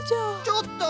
ちょっと！